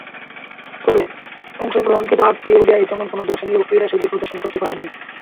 তবে, অংশগ্রহণকৃত আটটি ওডিআইয়ে তেমন কোন দর্শনীয় ক্রীড়াশৈলী প্রদর্শন করতে পারেননি।